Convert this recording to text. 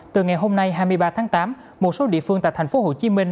từ ngày hôm nay hai mươi ba tháng tám một số địa phương tại thành phố hồ chí minh